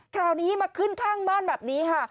คราวนี้มาขึ้นข้างบ้านแบบนี้ค่ะ